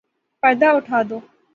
پردہ اٹھادو